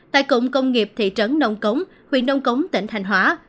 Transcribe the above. tại cụng công nghiệp thị trấn nông cống huyện nông cống tỉnh thành hóa